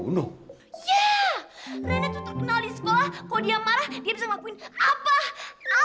yeah renek tuh terkenal di sekolah kalo dia marah dia bisa ngelakuin abah